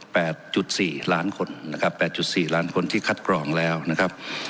แปดจุดสี่ล้านคนนะครับแปดจุดสี่ล้านคนที่คัดกรองแล้วนะครับ